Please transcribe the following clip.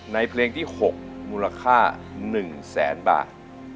เพลงที่๖มูลค่า๑แสนบาท